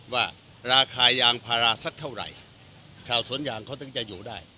ว่าราคายางพาราสักเท่าไหร่ชาวสวนยางเขาถึงจะอยู่ได้